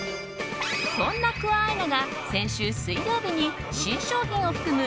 そんなクア・アイナが先週水曜日に新商品を含む